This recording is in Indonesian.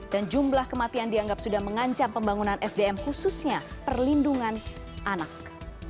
dan jumlah kematian dianggap sudah mengancam pembangunan sdm khususnya perlindungan anak